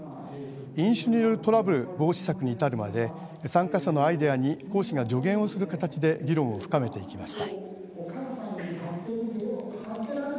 飲酒によるトラブル防止策に至るまで参加者のアイデアに講師が助言をする形で議論を深めていきました。